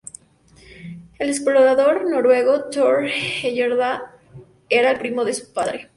El explorador noruego Thor Heyerdahl era el primo de su padre.